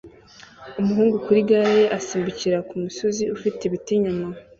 Umuhungu kuri gare ye asimbukira kumusozi ufite ibiti inyuma